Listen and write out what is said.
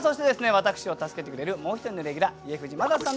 私を助けてくれるもう一人のレギュラー家藤正人さんです